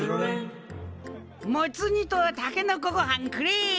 モツ煮とたけのこごはんくれい！